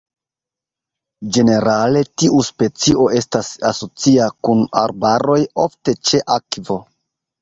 Ĝenerale tiu specio estas asocia kun arbaroj, ofte ĉe akvo.